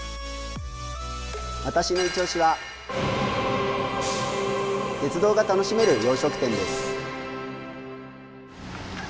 わたしのいちオシは鉄道が楽しめる洋食店です